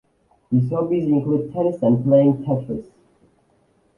His hobbies include tennis and playing Tetris.